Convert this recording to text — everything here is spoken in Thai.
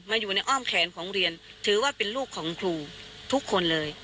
อยู่ในอ้อมแขนของเรียนถือว่าเป็นลูกของครูทุกคนเลย